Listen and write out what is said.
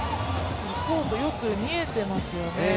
コート、よく見えてますよね